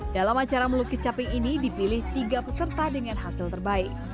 dalam acara melukis caping ini dipilih tiga peserta dengan hasil terbaik